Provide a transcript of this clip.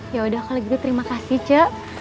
yaudah kalau gitu terima kasih ce